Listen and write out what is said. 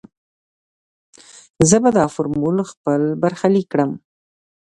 زه به دا فورمول خپل برخليک کړم.